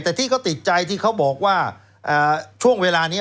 แต่ที่เขาบอกว่าช่วงเวลานี้